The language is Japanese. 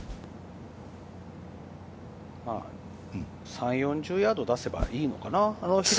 ３０４０ヤード出せばいいのかな？